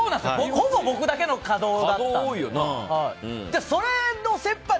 ほぼ僕だけの稼働だったので。